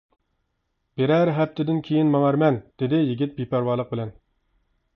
-بىرەر ھەپتىدىن كېيىن ماڭارمەن، -دېدى يىگىت بىپەرۋالىق بىلەن.